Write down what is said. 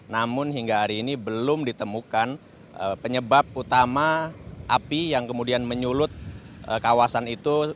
namun hingga hari ini belum ditemukan penyebab utama api yang kemudian menyulut kawasan itu